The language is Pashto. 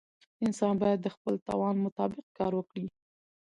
انسان باید د خپل توان مطابق کار وکړي.